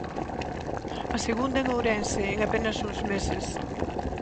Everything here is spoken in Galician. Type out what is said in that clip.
A segunda en Ourense en apenas uns meses.